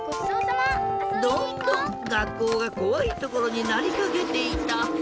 どんどんがっこうがこわいところになりかけていた。